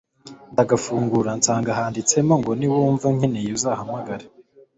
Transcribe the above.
ndagafungura nsanga handitsemo ngo niwumva unkeneye uzahamagare